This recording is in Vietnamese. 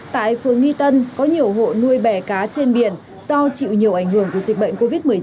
tại phường nghi tân có nhiều hộ nuôi bè cá trên biển do chịu nhiều ảnh hưởng của dịch bệnh covid một mươi chín